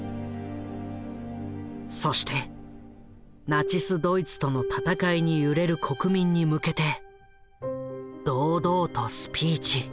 そしてナチス・ドイツとの戦いに揺れる国民に向けて堂々とスピーチ。